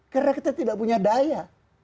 karena kita tidak punya daya